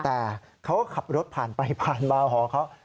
แต่เขาก็ขับรถผ่านไปผ่านมาหอเขา